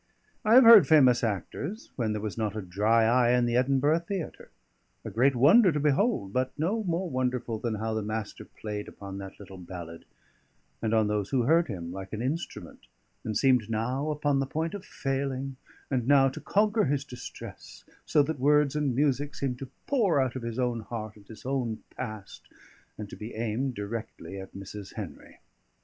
I have heard famous actors, when there was not a dry eye in the Edinburgh theatre; a great wonder to behold; but no more wonderful than how the Master played upon that little ballad, and on those who heard him, like an instrument, and seemed now upon the point of failing, and now to conquer his distress, so that words and music seemed to pour out of his own heart and his own past, and to be aimed directly at Mrs. Henry.